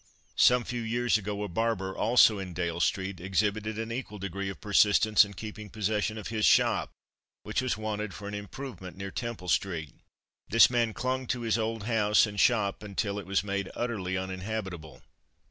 Some few years ago a barber, also in Dale street, exhibited an equal degree of persistence in keeping possession of his shop which was wanted for an improvement near Temple street. This man clung to his old house and shop until it was made utterly uninhabitable..